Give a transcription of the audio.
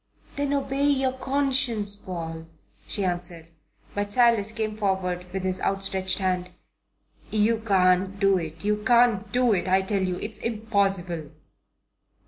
"Then obey your conscience, Paul," she answered. But Silas came forward with his outstretched hands. "You can't do it. You can't do it, I tell you. It's impossible."